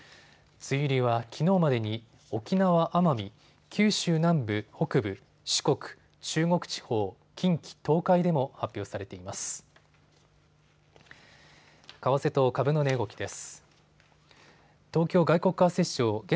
梅雨入りはきのうまでに沖縄・奄美、九州南部・北部、四国、中国地方、近畿、東海でも発表されています。